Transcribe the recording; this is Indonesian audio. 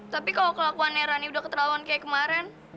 tapi kalau kelakuannya rani udah ketelauan kayak kemarin